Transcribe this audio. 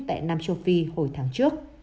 tại nam châu phi hồi tháng trước